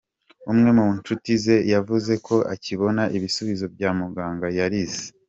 Umwe mu nshuti ze yavuze ko akibona ibisubizo bya muganga yarize.